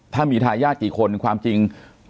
ถ้ามีทายาทกี่คนความจริง